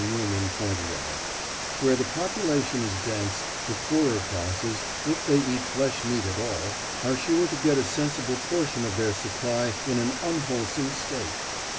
Newman pointed out, "where the population is dense, the poorer classes, if they eat flesh meat at all, are sure to get a sensible portion of their supply in an unwholesome state."